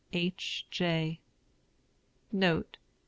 H. J. NOTE.